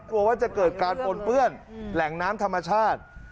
กลัวว่าจะเกิดการปนเปื้อนแหล่งน้ำธรรมชาติ